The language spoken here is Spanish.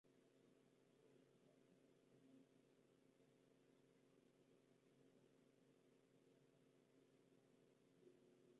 Desde entonces, el teatro ha visto significativas producciones y numerosos estrenos mundiales.